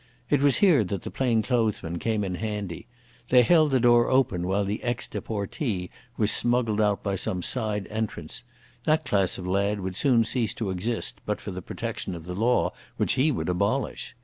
It was here that the plain clothes men came in handy. They held the door while the ex deportee was smuggled out by some side entrance. That class of lad would soon cease to exist but for the protection of the law which he would abolish.